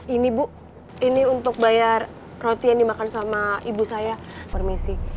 ini bu ini untuk bayar roti yang dimakan sama ibu saya permisi